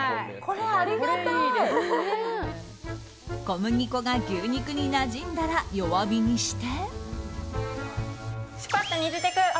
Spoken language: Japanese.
小麦粉が牛肉になじんだら弱火にして。